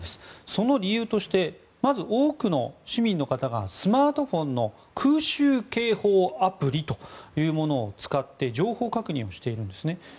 その理由としてまず多くの市民の方がスマートフォンの空襲警報アプリを使って情報確認をしているんですね。